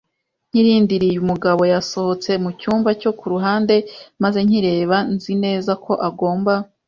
Nkirindiriye, umugabo yasohotse mucyumba cyo ku ruhande, maze nkireba nzi neza ko agomba